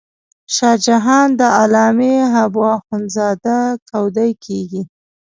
شاه جان د علامه حبو اخند زاده کودی کېږي.